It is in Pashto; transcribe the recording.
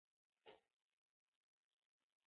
ميرانشاه سخت غيرتي خلق لري.